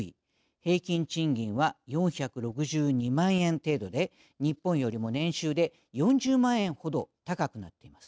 平均賃金は４６２万円程度で日本よりも年収で４０万円ほど高くなっています。